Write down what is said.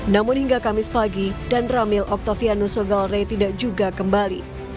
namun hingga kamis pagi dan ramil octavianus soegalre tidak juga kembali